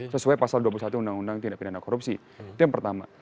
sesuai pasal dua puluh satu undang undang tidak pindah korupsi itu yang pertama